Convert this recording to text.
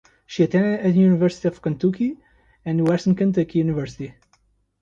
She attended the University of Kentucky and Western Kentucky University.